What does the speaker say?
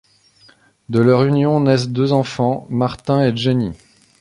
De leur union naissent deux enfants, Martin et Jenny.